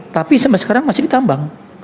tapi sampai sekarang masih ditambang